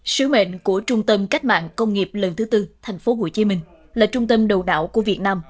sứ mệnh của trung tâm cách mạng công nghiệp lần thứ tư tp hcm là trung tâm đầu đảo của việt nam